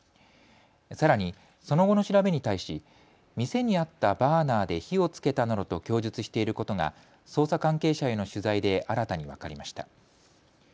さらにその後の調べに対し店にあったバーナーで火をつけたなどと供述していることが捜査関係者への取材で新たに分かりました。